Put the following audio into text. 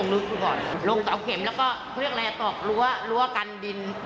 ต้องแบกกับเลี้ยงบ้าง